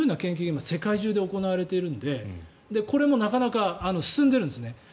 今、世界中で行われているのでこれもなかなか進んでいるんですね。